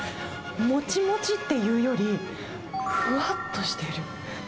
もちもちっていうより、ふわっとしてる。